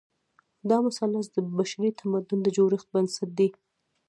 دا مثلث د بشري تمدن د جوړښت بنسټ دی.